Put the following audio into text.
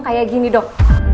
kayak gini dok